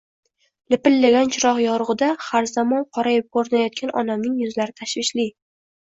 Lipillagan chiroq yorugʻida har zamon qorayib koʻrinayotgan onamning yuzlari tashvishli